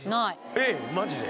えっマジで？